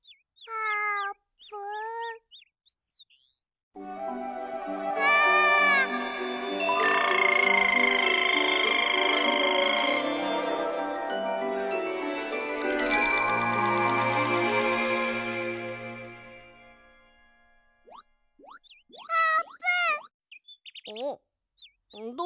ああ！